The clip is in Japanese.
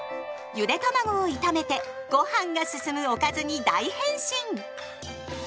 ゆでたまごを炒めてごはんが進むおかずに大変身！